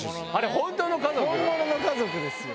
本物の家族です。